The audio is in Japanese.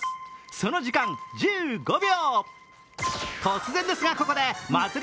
その時間、１５秒。